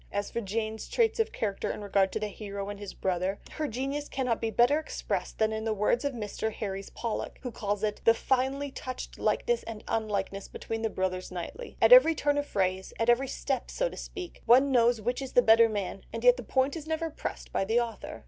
As for Jane's traits of character in regard to the hero and his brother, her genius cannot be better expressed than in the words of Mr. Herries Pollock, who calls it "the finely touched likeness and unlikeness between the brothers Knightley. At every turn of phrase, at every step so to speak, one knows which is the better man, and yet the point is never pressed by the author."